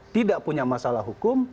tidak punya masalah hukum